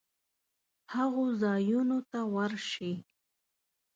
هغو ځایونو ته ورشي